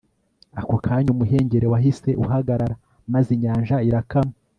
ako kanya umuhengeri wahise uhagarara maze inyanja irakama